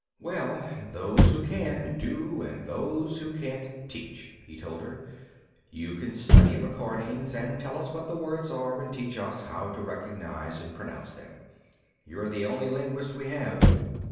"Well, those who can do, and those who can't teach," he told her. "You can study recordings, and tell us what the words are and teach us how to recognize and pronounce them. You're the only linguist we have."